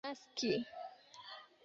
naski